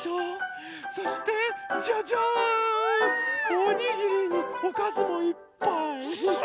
おにぎりにおかずもいっぱい！